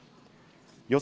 予想